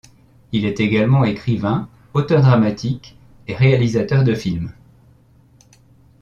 Il est également écrivain, auteur dramatique et réalisateur de films.